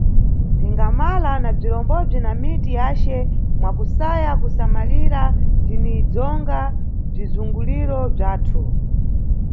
Tingamala na bzirombobzi na miti yace mwa kusaya kusamalira, tinidzonga bzizunguliro bzathu.